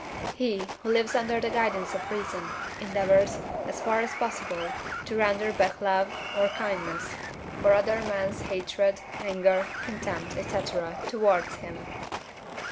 He, who lives under the guidance of reason, endeavours, as far as possible, to render back love, or kindness, for other men's hatred, anger, contempt, &c., towards him.